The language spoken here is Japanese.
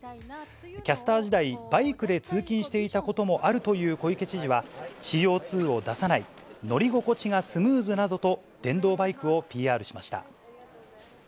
キャスター時代、バイクで通勤していたこともあるという小池知事は、ＣＯ２を出さない、乗り心地がスムーズなどと、電動バイクをＰＲしました。